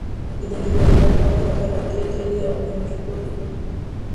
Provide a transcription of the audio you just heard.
د ګیدړ لقب ورته راوټوکېد او پرې مشهور شو.